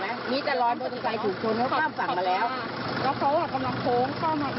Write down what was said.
แล้วหัวเบรกแต่เหยียบไม่อยู่ก็เลยโทง